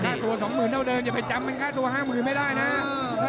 แล้ว๕ตัว๒หมื่นเข้าเดินอย่าไปจำว่า๕หมื่นไม่ได้นะ